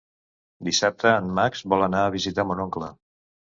Dissabte en Max vol anar a visitar mon oncle.